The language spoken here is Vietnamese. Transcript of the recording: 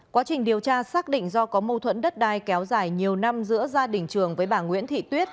quá trình điều tra xác định do có mâu thuẫn đất đai kéo dài nhiều năm giữa gia đình trường với bà nguyễn thị tuyết